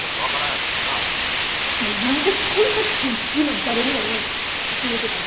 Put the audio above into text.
じゃ何でこんなギリギリまで誰にも言わんと進めてたん？